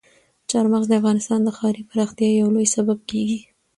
چار مغز د افغانستان د ښاري پراختیا یو لوی سبب کېږي.